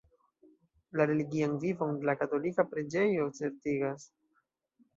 La religian vivon la katolika preĝejo certigas.